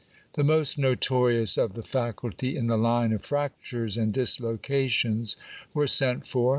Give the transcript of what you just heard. The most notorious of the faculty in the line of fractures and dislocations were sent for.